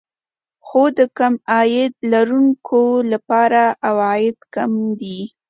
خو د کم عاید لرونکو لپاره عواید کم دي